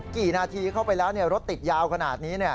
กี่นาทีเข้าไปแล้วรถติดยาวขนาดนี้